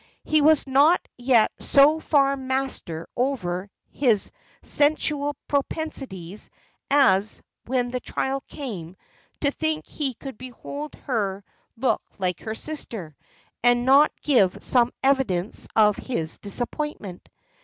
He was not yet so far master over all his sensual propensities as, when the trial came, to think he could behold her look like her sister, and not give some evidence of his disappointment.